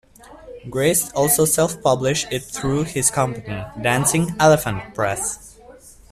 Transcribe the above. Grist also self-published it through his company, Dancing Elephant Press.